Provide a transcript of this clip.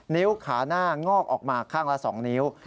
นิ้วขาหน้างอกออกมาข้างละ๒นิ้ว